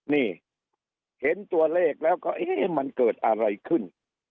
นี่เห็นตัวเลขแล้วก็เอ๊ะมันเกิดอะไรขึ้น